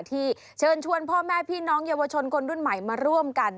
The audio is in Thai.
ที่เชิญชวนพ่อแม่พี่น้องเยาวชนคนรุ่นใหม่มาร่วมกัน